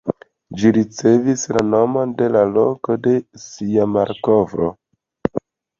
Ĝi ricevis la nomon de la loko de sia malkovro.